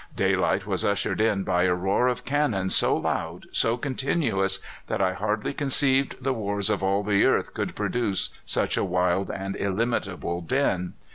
Daylight was ushered in by a roar of cannon so loud, so continuous, that I hardly conceived the wars of all the earth could produce such a wild and illimitable din.